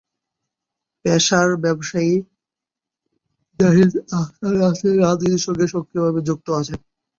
পেশার ব্যবসায়ী জাহিদ আহসান রাসেল রাজনীতির সঙ্গে সক্রিয় ভাবে যুক্ত আছেন।